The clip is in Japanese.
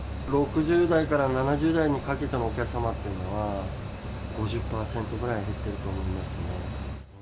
６０代から７０代にかけてのお客様っていうのは、５０％ぐらい減ってると思いますよ。